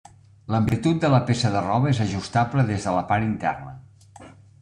L'amplitud de la peça de roba és ajustable des de la part interna.